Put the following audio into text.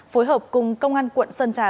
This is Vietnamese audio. phối hợp cùng công an quận sơn trà